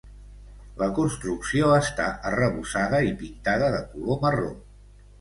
La construcció està arrebossada i pintada de color marró.